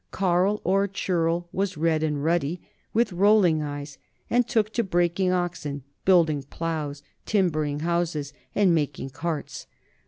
Carl, or churl, was red and ruddy, with rolling eyes, and took to breaking oxen, building plows, timbering houses, and making carts.